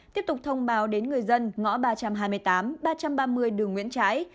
tiếp tục thông báo đến người dân ngõ ba trăm hai mươi tám ba trăm ba mươi đường nguyễn trãi